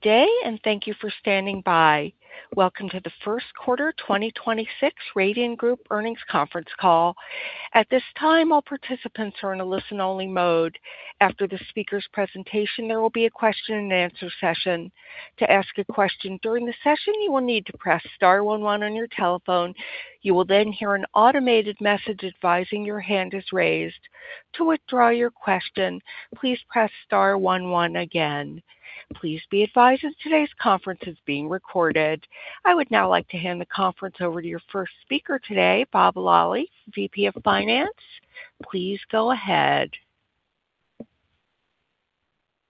Day. Thank you for standing by. Welcome to the first quarter 2026 Radian Group earnings conference call. I would now like to hand the conference over to your first speaker today, Bob Loll, VP of Finance. Please go ahead.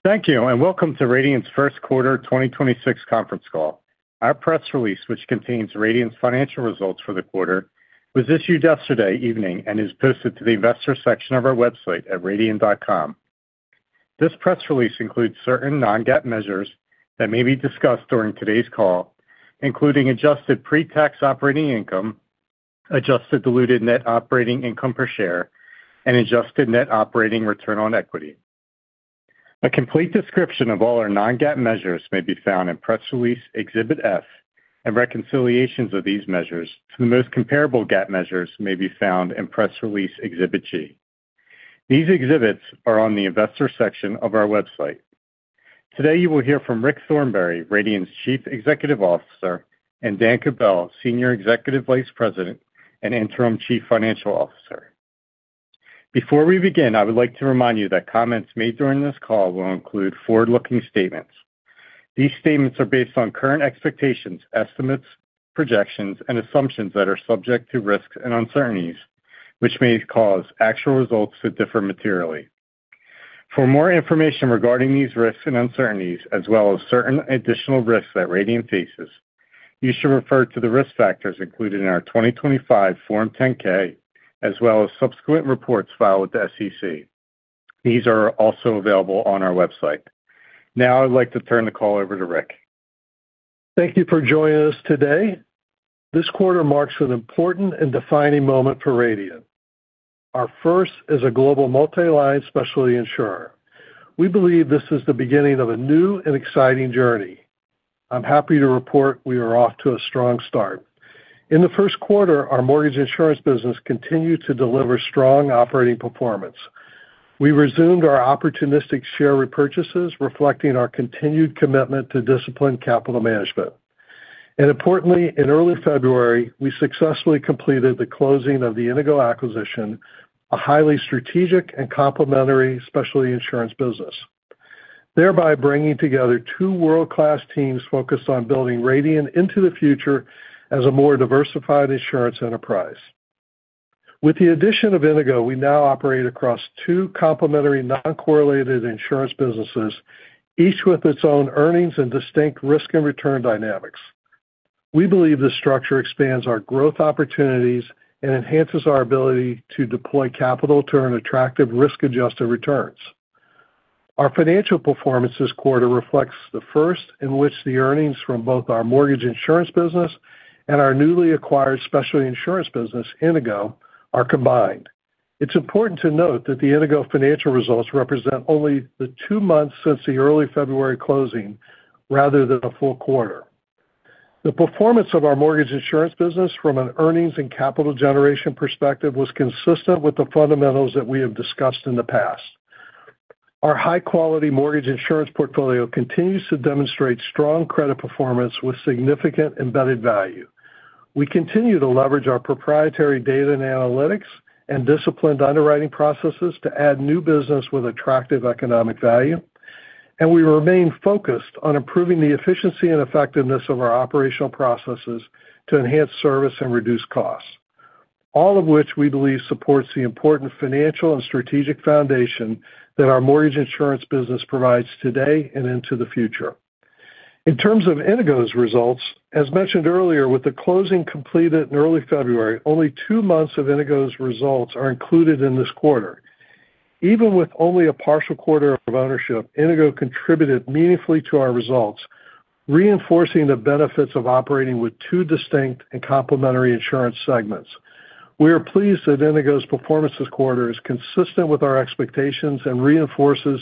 Thank you, and welcome to Radian's first quarter 2026 conference call. Our press release, which contains Radian's financial results for the quarter, was issued yesterday evening and is posted to the investor section of our website at radian.com. This press release includes certain Non-GAAP measures that may be discussed during today's call, including adjusted pretax operating income, adjusted diluted net operating income per share, and adjusted net operating return on equity. A complete description of all our Non-GAAP measures may be found in press release Exhibit F, and reconciliations of these measures to the most comparable GAAP measures may be found in press release Exhibit G. These exhibits are on the investor section of our website. Today, you will hear from Rick Thornberry, Radian's Chief Executive Officer, and Dan Kobell, Senior Executive Vice President and Interim Chief Financial Officer. Before we begin, I would like to remind you that comments made during this call will include forward-looking statements. These statements are based on current expectations, estimates, projections, and assumptions that are subject to risks and uncertainties, which may cause actual results to differ materially. For more information regarding these risks and uncertainties, as well as certain additional risks that Radian faces, you should refer to the risk factors included in our 2025 Form 10-K as well as subsequent reports filed with the SEC. These are also available on our website. I'd like to turn the call over to Rick. Thank you for joining us today. This quarter marks an important and defining moment for Radian, our first as a global multi-line specialty insurer. We believe this is the beginning of a new and exciting journey. I'm happy to report we are off to a strong start. In the first quarter, our mortgage insurance business continued to deliver strong operating performance. We resumed our opportunistic share repurchases, reflecting our continued commitment to disciplined capital management. Importantly, in early February, we successfully completed the closing of the Inigo acquisition, a highly strategic and complementary specialty insurance business, thereby bringing together two world-class teams focused on building Radian into the future as a more diversified insurance enterprise. With the addition of Inigo, we now operate across two complementary, non-correlated insurance businesses, each with its own earnings and distinct risk and return dynamics. We believe this structure expands our growth opportunities and enhances our ability to deploy capital to earn attractive risk-adjusted returns. Our financial performance this quarter reflects the first in which the earnings from both our mortgage insurance business and our newly acquired specialty insurance business, Inigo, are combined. It's important to note that the Inigo financial results represent only the two months since the early February closing rather than a full quarter. The performance of our mortgage insurance business from an earnings and capital generation perspective was consistent with the fundamentals that we have discussed in the past. Our high-quality mortgage insurance portfolio continues to demonstrate strong credit performance with significant embedded value. We continue to leverage our proprietary data and analytics and disciplined underwriting processes to add new business with attractive economic value. We remain focused on improving the efficiency and effectiveness of our operational processes to enhance service and reduce costs. All of which we believe supports the important financial and strategic foundation that our mortgage insurance business provides today and into the future. In terms of Inigo's results, as mentioned earlier, with the closing completed in early February, only two months of Inigo's results are included in this quarter. Even with only a partial quarter of ownership, Inigo contributed meaningfully to our results, reinforcing the benefits of operating with two distinct and complementary insurance segments. We are pleased that Inigo's performance this quarter is consistent with our expectations and reinforces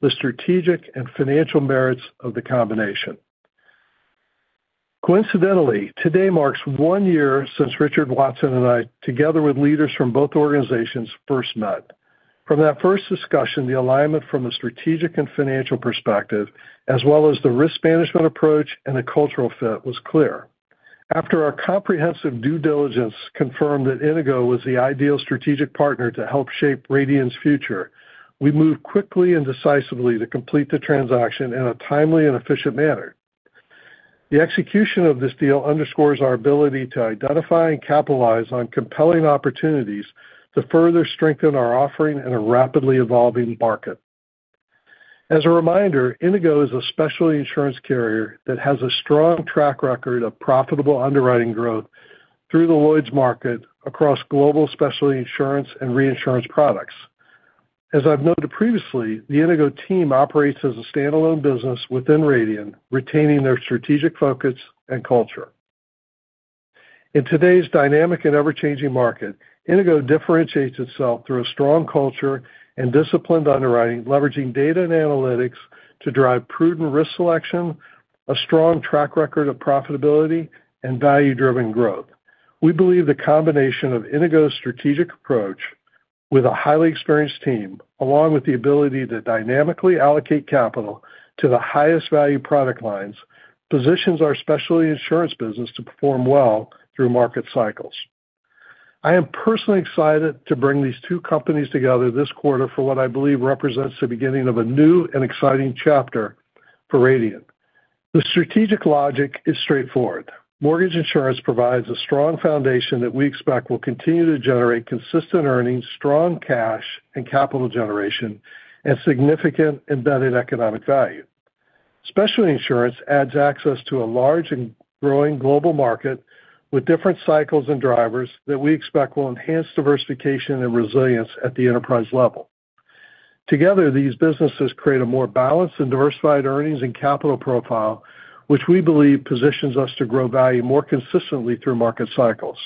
the strategic and financial merits of the combination. Coincidentally, today marks 1 year since Richard Watson and I, together with leaders from both organizations, first met. From that first discussion, the alignment from a strategic and financial perspective, as well as the risk management approach and the cultural fit, was clear. After our comprehensive due diligence confirmed that Inigo was the ideal strategic partner to help shape Radian's future, we moved quickly and decisively to complete the transaction in a timely and efficient manner. The execution of this deal underscores our ability to identify and capitalize on compelling opportunities to further strengthen our offering in a rapidly evolving market. As a reminder, Inigo is a specialty insurance carrier that has a strong track record of profitable underwriting growth through the Lloyd's market across global specialty insurance and reinsurance products. As I've noted previously, the Inigo team operates as a standalone business within Radian, retaining their strategic focus and culture. In today's dynamic and ever-changing market, Inigo differentiates itself through a strong culture and disciplined underwriting, leveraging data and analytics to drive prudent risk selection, a strong track record of profitability, and value-driven growth. We believe the combination of Inigo's strategic approach with a highly experienced team, along with the ability to dynamically allocate capital to the highest value product lines, positions our specialty insurance business to perform well through market cycles. I am personally excited to bring these two companies together this quarter for what I believe represents the beginning of a new and exciting chapter for Radian. The strategic logic is straightforward. Mortgage insurance provides a strong foundation that we expect will continue to generate consistent earnings, strong cash and capital generation, and significant embedded economic value. Specialty insurance adds access to a large and growing global market with different cycles and drivers that we expect will enhance diversification and resilience at the enterprise level. Together, these businesses create a more balanced and diversified earnings and capital profile, which we believe positions us to grow value more consistently through market cycles.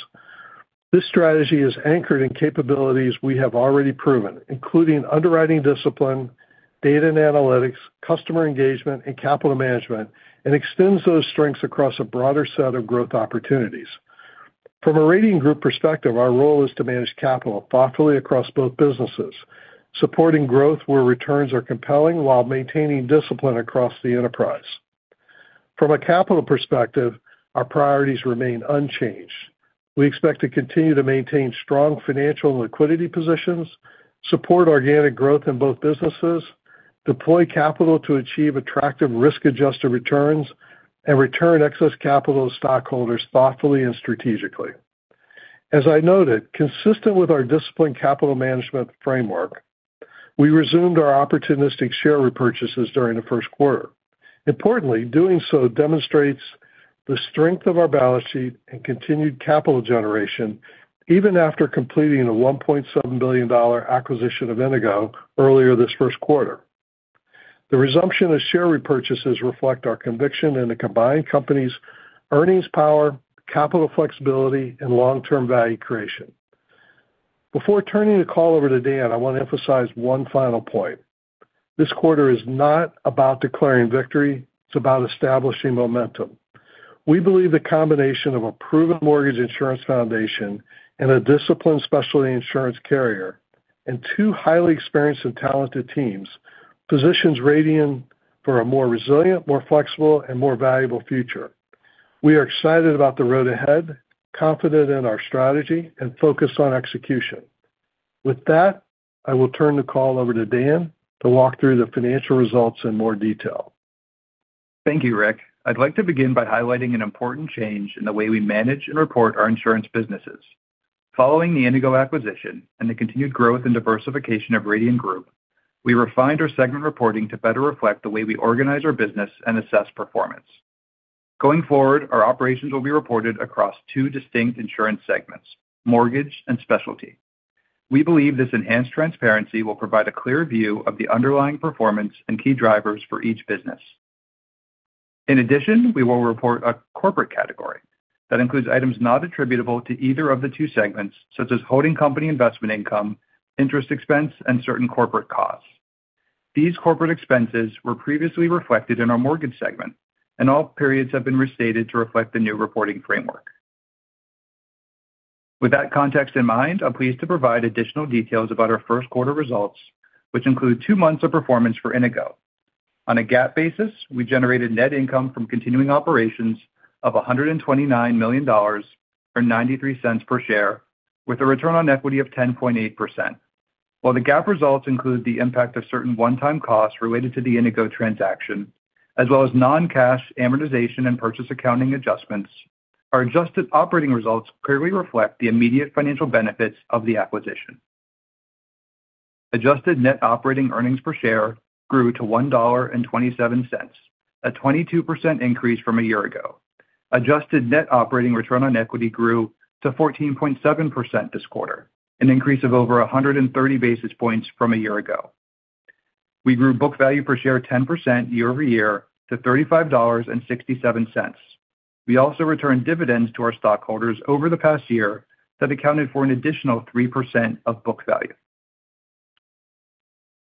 This strategy is anchored in capabilities we have already proven, including underwriting discipline, data and analytics, customer engagement, and capital management, and extends those strengths across a broader set of growth opportunities. From a Radian Group perspective, our role is to manage capital thoughtfully across both businesses, supporting growth where returns are compelling while maintaining discipline across the enterprise. From a capital perspective, our priorities remain unchanged. We expect to continue to maintain strong financial and liquidity positions, support organic growth in both businesses, deploy capital to achieve attractive risk-adjusted returns, and return excess capital to stockholders thoughtfully and strategically. As I noted, consistent with our disciplined capital management framework, we resumed our opportunistic share repurchases during the first quarter. Importantly, doing so demonstrates the strength of our balance sheet and continued capital generation even after completing the $1.7 billion acquisition of Inigo earlier this first quarter. The resumption of share repurchases reflect our conviction in the combined company's earnings power, capital flexibility, and long-term value creation. Before turning the call over to Dan, I want to emphasize one final point. This quarter is not about declaring victory. It's about establishing momentum. We believe the combination of a proven mortgage insurance foundation and a disciplined specialty insurance carrier and two highly experienced and talented teams positions Radian for a more resilient, more flexible, and more valuable future. We are excited about the road ahead, confident in our strategy, and focused on execution. With that, I will turn the call over to Dan to walk through the financial results in more detail. Thank you, Rick. I'd like to begin by highlighting an important change in the way we manage and report our insurance businesses. Following the Inigo acquisition and the continued growth and diversification of Radian Group, we refined our segment reporting to better reflect the way we organize our business and assess performance. Going forward, our operations will be reported across two distinct insurance segments, mortgage and specialty. We believe this enhanced transparency will provide a clear view of the underlying performance and key drivers for each business. In addition, we will report a corporate category that includes items not attributable to either of the two segments, such as holding company investment income, interest expense, and certain corporate costs. These corporate expenses were previously reflected in our mortgage segment, and all periods have been restated to reflect the new reporting framework. With that context in mind, I'm pleased to provide additional details about our first quarter results, which include two months of performance for Inigo. On a GAAP basis, we generated net income from continuing operations of $129 million, or $0.93 per share, with a return on equity of 10.8%. While the GAAP results include the impact of certain one-time costs related to the Inigo transaction, as well as non-cash amortization and purchase accounting adjustments, our adjusted operating results clearly reflect the immediate financial benefits of the acquisition. Adjusted net operating earnings per share grew to $1.27, a 22% increase from a year ago. Adjusted net operating return on equity grew to 14.7% this quarter, an increase of over 130 basis points from a year ago. We grew book value per share 10% year-over-year to $35.67. We also returned dividends to our stockholders over the past year that accounted for an additional 3% of book value.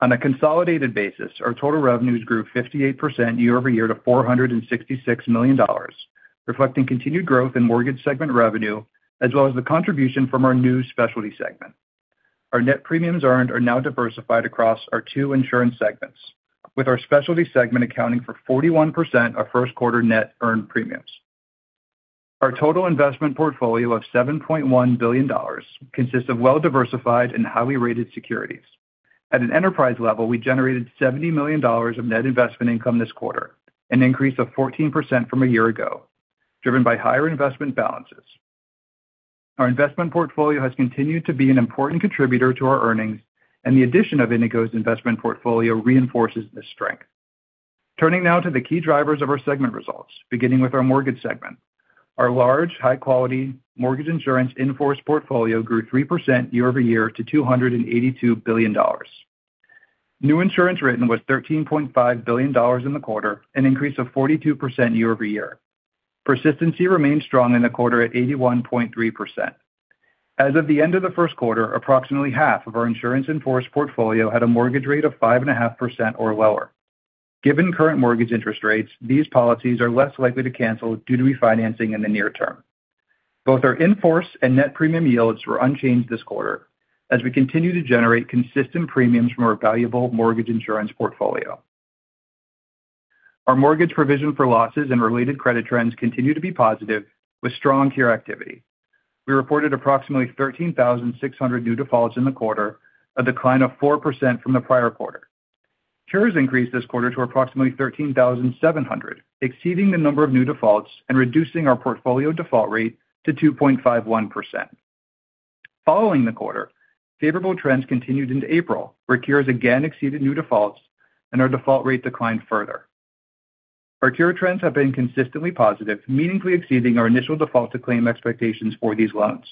On a consolidated basis, our total revenues grew 58% year-over-year to $466 million, reflecting continued growth in mortgage segment revenue as well as the contribution from our new specialty segment. Our net premiums earned are now diversified across our two insurance segments, with our specialty segment accounting for 41% of first quarter net earned premiums. Our total investment portfolio of $7.1 billion consists of well-diversified and highly rated securities. At an enterprise level, we generated $70 million of net investment income this quarter, an increase of 14% from a year ago, driven by higher investment balances. Our investment portfolio has continued to be an important contributor to our earnings, and the addition of Inigo's investment portfolio reinforces this strength. Turning now to the key drivers of our segment results, beginning with our mortgage segment. Our large, high-quality mortgage insurance in-force portfolio grew 3% year-over-year to $282 billion. New insurance written was $13.5 billion in the quarter, an increase of 42% year-over-year. Persistency remained strong in the quarter at 81.3%. As of the end of the first quarter, approximately half of our insurance in-force portfolio had a mortgage rate of 5.5% or lower. Given current mortgage interest rates, these policies are less likely to cancel due to refinancing in the near term. Both our in-force and net premium yields were unchanged this quarter as we continue to generate consistent premiums from our valuable mortgage insurance portfolio. Our mortgage provision for losses and related credit trends continue to be positive with strong cure activity. We reported approximately 13,600 new defaults in the quarter, a decline of 4% from the prior quarter. Cures increased this quarter to approximately 13,700, exceeding the number of new defaults and reducing our portfolio default rate to 2.51%. Following the quarter, favorable trends continued into April, where cures again exceeded new defaults and our default rate declined further. Our cure trends have been consistently positive, meaningfully exceeding our initial default-to-claim expectations for these loans.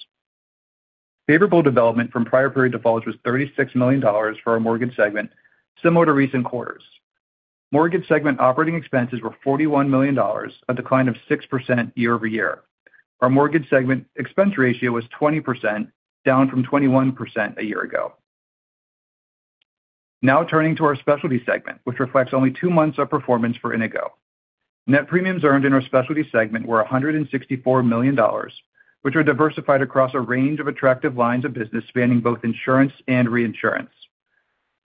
Favorable development from prior period defaults was $36 million for our mortgage segment, similar to recent quarters. Mortgage Segment operating expenses were $41 million, a decline of 6% year-over-year. Our Mortgage segment expense ratio was 20%, down from 21% a year ago. Turning to our Specialty segment, which reflects only two months of performance for Inigo. Net premiums earned in our Specialty segment were $164 million, which are diversified across a range of attractive lines of business spanning both insurance and reinsurance.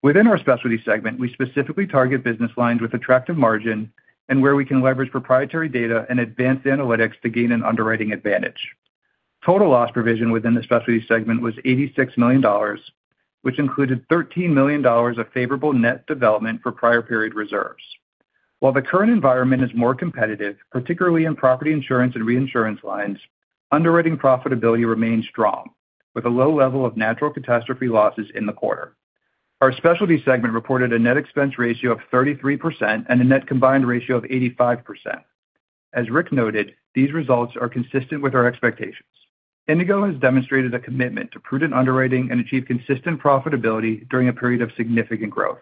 Within our Specialty segment, we specifically target business lines with attractive margin and where we can leverage proprietary data and advanced analytics to gain an underwriting advantage. Total loss provision within the Specialty segment was $86 million, which included $13 million of favorable net development for prior period reserves. While the current environment is more competitive, particularly in property insurance and reinsurance lines, underwriting profitability remains strong with a low level of natural catastrophe losses in the quarter. Our specialty segment reported a net expense ratio of 33% and a net combined ratio of 85%. As Rick noted, these results are consistent with our expectations. Inigo has demonstrated a commitment to prudent underwriting and achieve consistent profitability during a period of significant growth.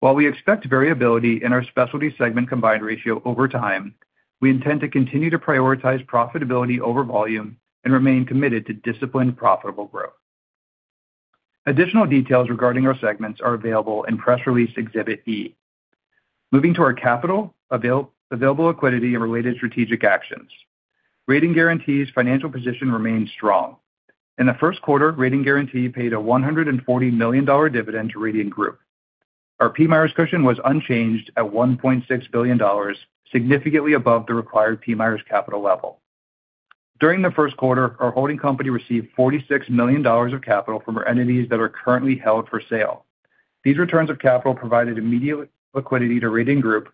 While we expect variability in our specialty segment combined ratio over time, we intend to continue to prioritize profitability over volume and remain committed to disciplined, profitable growth. Additional details regarding our segments are available in press release Exhibit E. Moving to our capital, available liquidity and related strategic actions. Radian Guaranty's financial position remains strong. In the first quarter, Radian Guaranty paid a $140 million dividend to Radian Group. Our PMIERs cushion was unchanged at $1.6 billion, significantly above the required PMIERs capital level. During the first quarter, our holding company received $46 million of capital from our entities that are currently held for sale. These returns of capital provided immediate liquidity to Radian Group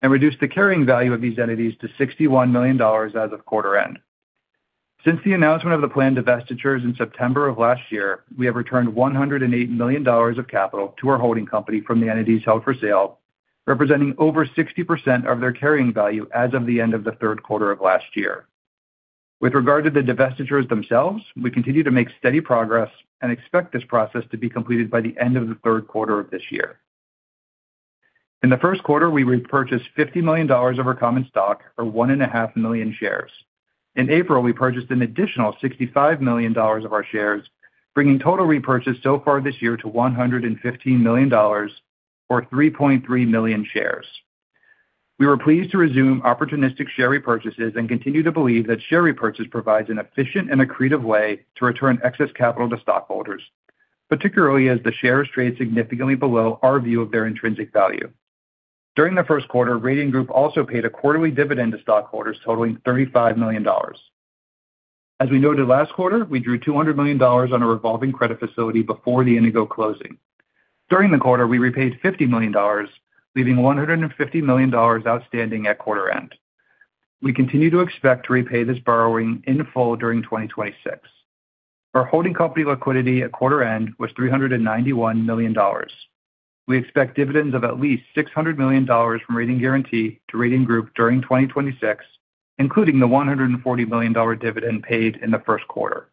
and reduced the carrying value of these entities to $61 million as of quarter end. Since the announcement of the planned divestitures in September of last year, we have returned $108 million of capital to our holding company from the entities held for sale, representing over 60% of their carrying value as of the end of the third quarter of last year. With regard to the divestitures themselves, we continue to make steady progress and expect this process to be completed by the end of the third quarter of this year. In the first quarter, we repurchased $50 million of our common stock, or 1.5 million shares. In April, we purchased an additional $65 million of our shares, bringing total repurchases so far this year to $115 million, or 3.3 million shares. We were pleased to resume opportunistic share repurchases and continue to believe that share repurchase provides an efficient and accretive way to return excess capital to stockholders, particularly as the shares trade significantly below our view of their intrinsic value. During the first quarter, Radian Group also paid a quarterly dividend to stockholders totaling $35 million. As we noted last quarter, we drew $200 million on a revolving credit facility before the Inigo closing. During the quarter, we repaid $50 million, leaving $150 million outstanding at quarter end. We continue to expect to repay this borrowing in full during 2026. Our holding company liquidity at quarter end was $391 million. We expect dividends of at least $600 million from Radian Guaranty to Radian Group during 2026, including the $140 million dividend paid in the first quarter.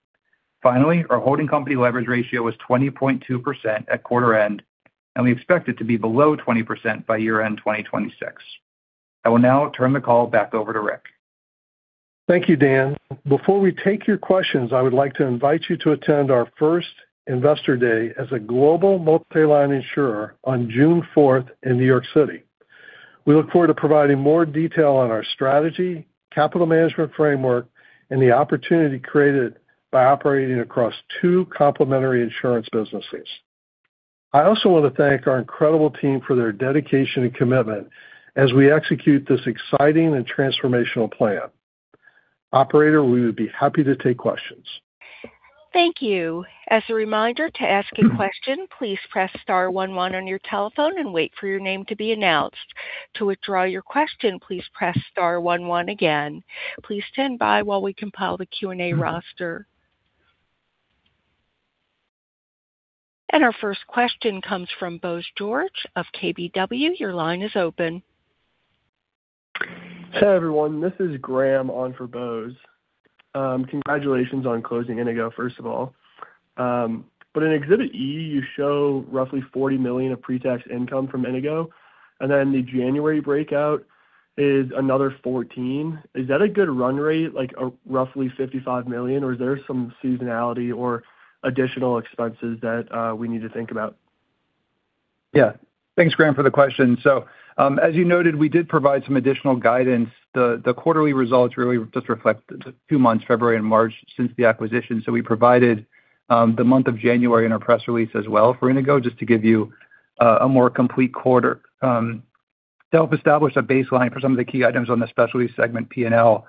Finally, our holding company leverage ratio was 20.2% at quarter end, and we expect it to be below 20% by year-end 2026. I will now turn the call back over to Rick. Thank you, Dan Kobell. Before we take your questions, I would like to invite you to attend our first Investor Day as a global multi-line insurer on June fourth in New York City. We look forward to providing more detail on our strategy, capital management framework, and the opportunity created by operating across two complementary insurance businesses. I also want to thank our incredible team for their dedication and commitment as we execute this exciting and transformational plan. Operator, we would be happy to take questions. Thank you. As a reminder to ask a question, please press star one one on your telephone and wait for your name to be announced. To withdraw your question, please press star one one again. Please stand by while we compile the Q&A roster. And our first question comes from Bose George of KBW. Your line is open. Hey, everyone, this is Graham on for Bose. Congratulations on closing Inigo, first of all. In Exhibit E, you show roughly $40 million of pretax income from Inigo, and then the January breakout is another $14 million. Is that a good run rate, like a roughly $55 million, or is there some seasonality or additional expenses that, we need to think about? Thanks, Graham, for the question. As you noted, we did provide some additional guidance. The quarterly results really just reflect the 2 months, February and March, since the acquisition. We provided the month of January in our press release as well for Inigo, just to give you a more complete quarter to help establish a baseline for some of the key items on the specialty segment P&L.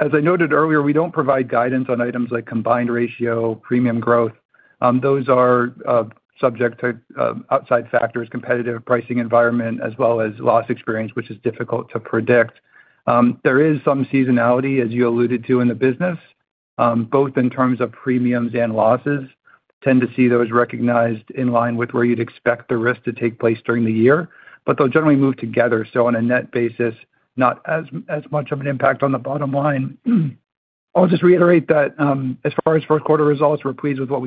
As I noted earlier, we don't provide guidance on items like combined ratio, premium growth. Those are subject to outside factors, competitive pricing environment, as well as loss experience, which is difficult to predict. There is some seasonality, as you alluded to, in the business, both in terms of premiums and losses. Tend to see those recognized in line with where you'd expect the risk to take place during the year, but they'll generally move together, so on a net basis, not as much of an impact on the bottom line. I'll just reiterate that, as far as first quarter results, we're pleased with what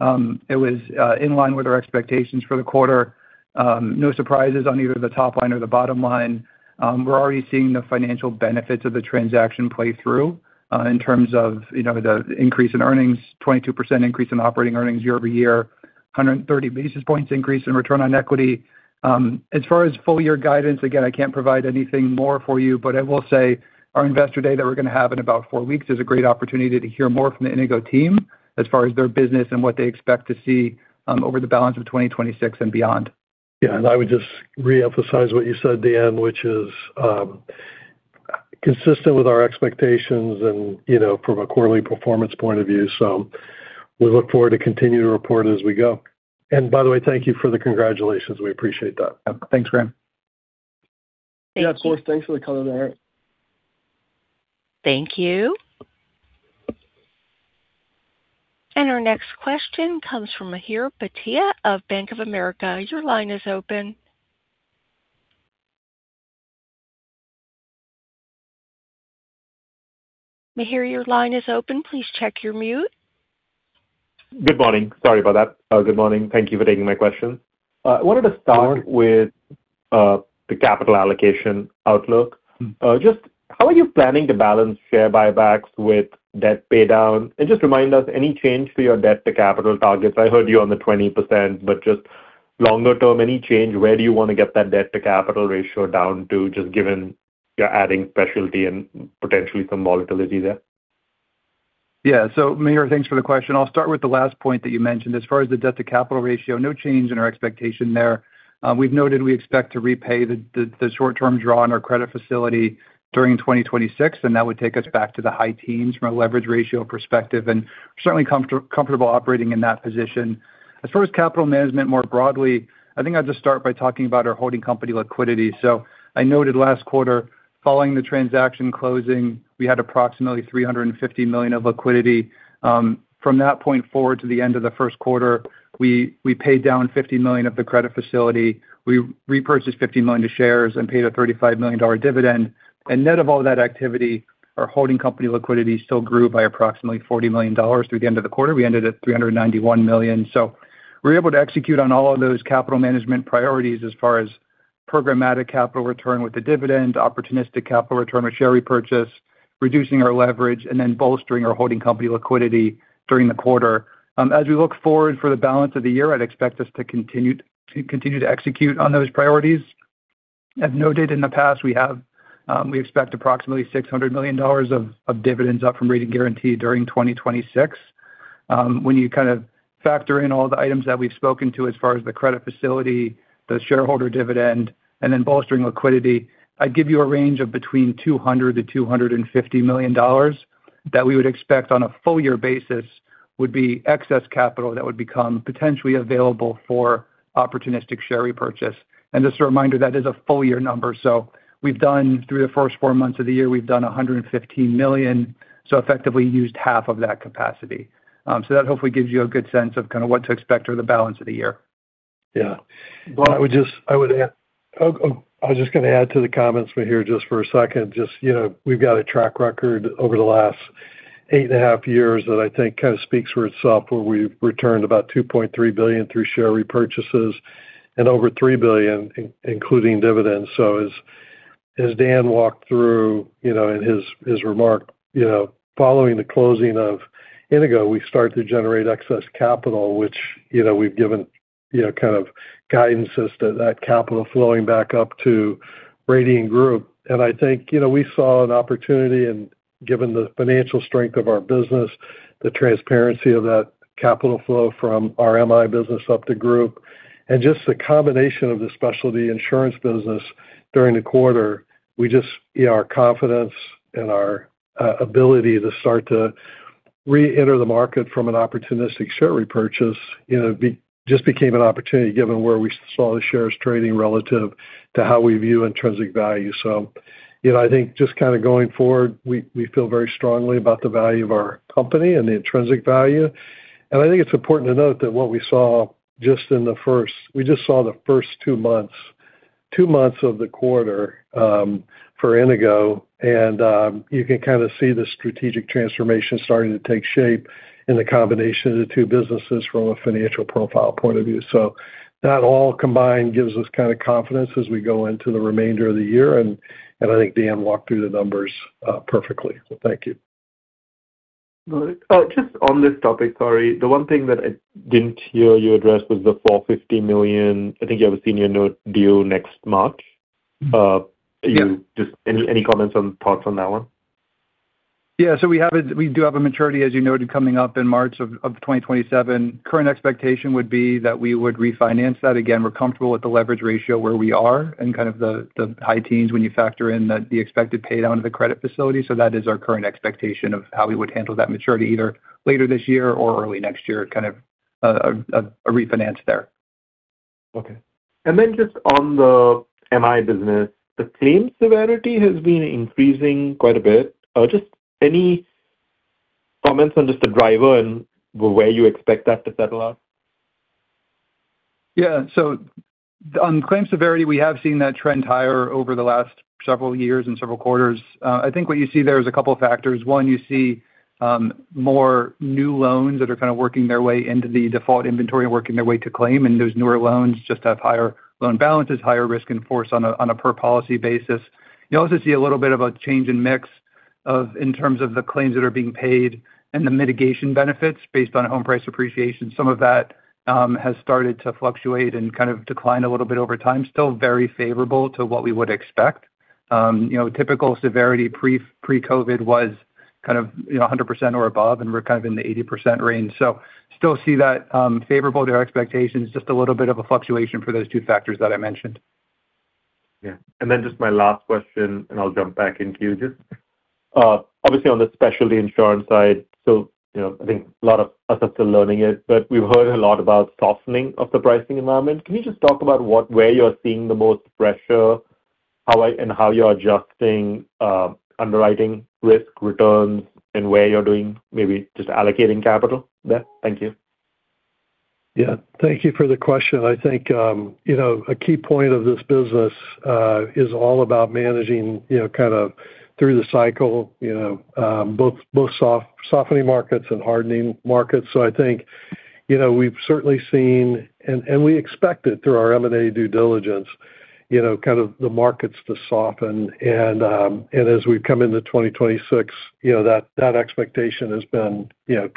we saw. It was in line with our expectations for the quarter. No surprises on either the top line or the bottom line. We're already seeing the financial benefits of the transaction play through, in terms of, you know, the increase in earnings, 22% increase in operating earnings year-over-year, 130 basis points increase in return on equity. As far as full year guidance, again, I can't provide anything more for you, but I will say our investor day that we're gonna have in about 4 weeks is a great opportunity to hear more from the Inigo team as far as their business and what they expect to see, over the balance of 2026 and beyond. Yeah. I would just reemphasize what you said, Dan, which is consistent with our expectations and, you know, from a quarterly performance point of view. We look forward to continuing to report as we go. By the way, thank you for the congratulations. We appreciate that. Thanks, Graham. Yeah, of course. Thanks for the color there. Thank you. Our next question comes from Mihir Bhatia of Bank of America. Your line is open. Mihir, your line is open. Please check your mute. Good morning. Sorry about that. Good morning. Thank you for taking my question. I wanted to start with the capital allocation outlook. Just how are you planning to balance share buybacks with debt paydown? Just remind us any change to your debt to capital targets. I heard you on the 20%, but just longer term, any change? Where do you wanna get that debt to capital ratio down to just given you're adding specialty and potentially some volatility there? Yeah. Mihir, thanks for the question. I'll start with the last point that you mentioned. As far as the debt to capital ratio, no change in our expectation there. We've noted we expect to repay the short term draw on our credit facility during 2026, and that would take us back to the high teens from a leverage ratio perspective, and certainly comfortable operating in that position. As far as capital management more broadly, I think I'll just start by talking about our holding company liquidity. I noted last quarter, following the transaction closing, we had approximately $350 million of liquidity. From that point forward to the end of the first quarter, we paid down $50 million of the credit facility. We repurchased $50 million of shares and paid a $35 million dividend. Net of all that activity, our holding company liquidity still grew by approximately $40 million through the end of the quarter. We ended at $391 million. We were able to execute on all of those capital management priorities as far as programmatic capital return with the dividend, opportunistic capital return with share repurchase, reducing our leverage, and then bolstering our holding company liquidity during the quarter. As we look forward for the balance of the year, I'd expect us to continue to execute on those priorities. As noted in the past, we have, we expect approximately $600 million of dividends up from Radian Guaranty during 2026. When you kind of factor in all the items that we've spoken to as far as the credit facility, the shareholder dividend, and then bolstering liquidity, I'd give you a range of between $200 million-$250 million that we would expect on a full year basis would be excess capital that would become potentially available for opportunistic share repurchase. Just a reminder, that is a full year number. We've done, through the first 4 months of the year, we've done $115 million, effectively used half of that capacity. That hopefully gives you a good sense of kinda what to expect over the balance of the year. Yeah. Well, I was just gonna add to the comments from Mihir just for a second. Just, you know, we've got a track record over the last 8.5 years that I think kind of speaks for itself, where we've returned about $2.3 billion through share repurchases and over $3 billion including dividends. As Dan walked through, you know, in his remark, you know, following the closing of Inigo, we start to generate excess capital, which, you know, we've given, you know, kind of guidances to that capital flowing back up to Radian Group. I think, you know, we saw an opportunity and given the financial strength of our business, the transparency of that capital flow from our MI business up to group, and just the combination of the specialty insurance business during the quarter, we just You know, our confidence and our ability to start to reenter the market from an opportunistic share repurchase, you know, just became an opportunity given where we saw the shares trading relative to how we view intrinsic value. You know, I think just kind of going forward, we feel very strongly about the value of our company and the intrinsic value. I think it's important to note that what we saw just the first two months of the quarter for Inigo. You can kind of see the strategic transformation starting to take shape in the combination of the two businesses from a financial profile point of view. That all combined gives us kind of confidence as we go into the remainder of the year. I think Dan Kobell walked through the numbers perfectly. Thank you. Just on this topic, sorry. The one thing that I didn't hear you address was the $450 million, I think you have a senior note due next March. Yes. Just any comments or thoughts on that one? Yeah. We do have a maturity, as you noted, coming up in March of 2027. Current expectation would be that we would refinance that. We're comfortable with the leverage ratio where we are in the high teens when you factor in the expected pay down of the revolving credit facility. That is our current expectation of how we would handle that maturity either later this year or early next year, kind of a refinance there. Okay. Then just on the MI business, the claim severity has been increasing quite a bit. Just any comments on just the driver and where you expect that to settle out? Yeah. On claim severity, we have seen that trend higher over the last several years and several quarters. I think what you see there is a couple factors. One, you see more new loans that are kind of working their way into the default inventory and working their way to claim. Those newer loans just have higher loan balances, higher risk in force on a per policy basis. You also see a little bit of a change in mix of, in terms of the claims that are being paid and the mitigation benefits based on home price appreciation. Some of that has started to fluctuate and kind of decline a little bit over time. Still very favorable to what we would expect. Typical severity pre-COVID was 100% or above, and we're in the 80% range. Still see that favorable to our expectations. Just a little bit of a fluctuation for those two factors that I mentioned. Yeah. Then just my last question, and I'll jump back into the queue. Obviously on the specialty insurance side, you know, I think a lot of us are still learning it, but we've heard a lot about softening of the pricing environment. Can you just talk about what, where you're seeing the most pressure, how you're adjusting underwriting risk returns and where you're doing, maybe just allocating capital there? Thank you. Thank you for the question. I think, you know, a key point of this business is all about managing, you know, kind of through the cycle, you know, softening markets and hardening markets. I think, you know, we've certainly seen, and we expected through our M&A due diligence, you know, kind of the markets to soften. As we've come into 2026, you know, that expectation has been, you know,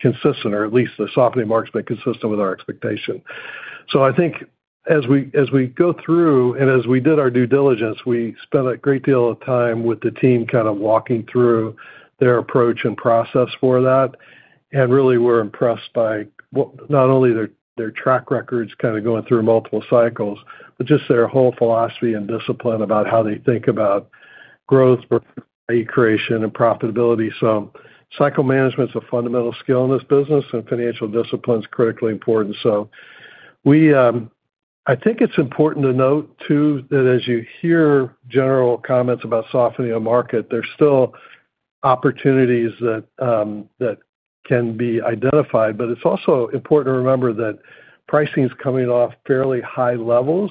consistent or at least the softening market's been consistent with our expectation. I think as we go through and as we did our due diligence, we spent a great deal of time with the team kind of walking through their approach and process for that. Really we're impressed by what not only their track records kind of going through multiple cycles, but just their whole philosophy and discipline about how they think about growth, value creation and profitability. Cycle management's a fundamental skill in this business, and financial discipline is critically important. We, I think it's important to note too that as you hear general comments about softening of market, there's still opportunities that can be identified. It's also important to remember that pricing's coming off fairly high levels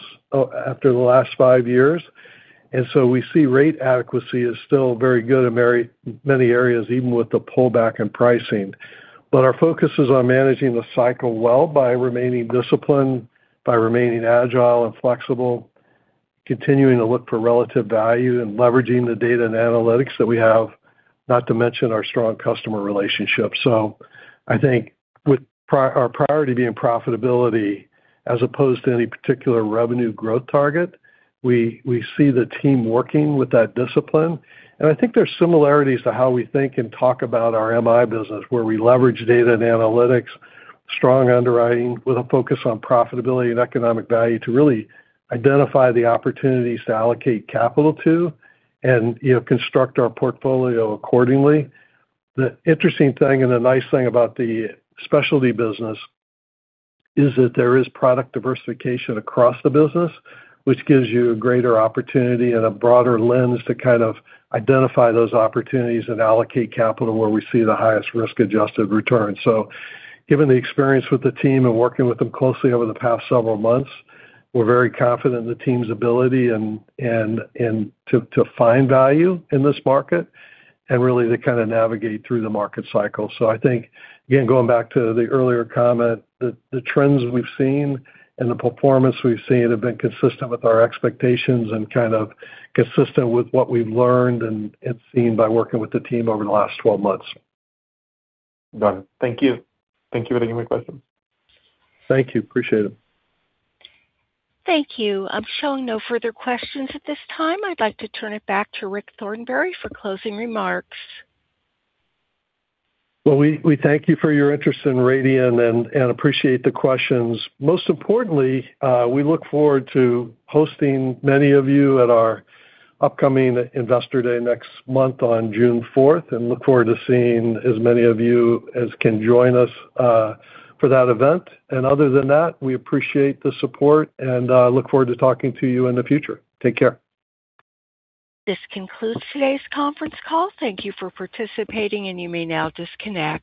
after the last five years. We see rate adequacy is still very good in very many areas, even with the pullback in pricing. Our focus is on managing the cycle well by remaining disciplined, by remaining agile and flexible, continuing to look for relative value and leveraging the data and analytics that we have, not to mention our strong customer relationships. I think with our priority being profitability as opposed to any particular revenue growth target, we see the team working with that discipline. I think there's similarities to how we think and talk about our MI business, where we leverage data and analytics, strong underwriting with a focus on profitability and economic value to really identify the opportunities to allocate capital to and, you know, construct our portfolio accordingly. The interesting thing and the nice thing about the specialty business is that there is product diversification across the business, which gives you a greater opportunity and a broader lens to kind of identify those opportunities and allocate capital where we see the highest risk-adjusted return. Given the experience with the team and working with them closely over the past several months, we're very confident in the team's ability and to find value in this market and really to kind of navigate through the market cycle. I think, again, going back to the earlier comment, the trends we've seen and the performance we've seen have been consistent with our expectations and kind of consistent with what we've learned and seen by working with the team over the last 12 months. Done. Thank you. Thank you for taking my questions. Thank you. Appreciate it. Thank you. I'm showing no further questions at this time. I'd like to turn it back to Rick Thornberry for closing remarks. Well, we thank you for your interest in Radian and appreciate the questions. Most importantly, we look forward to hosting many of you at our upcoming Investor Day next month on June 4th, and look forward to seeing as many of you as can join us for that event. Other than that, we appreciate the support and look forward to talking to you in the future. Take care. This concludes today's conference call. Thank you for participating. You may now disconnect.